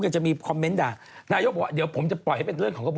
เราก็จะมีคอมเม้นต์ด่าดีนะครับ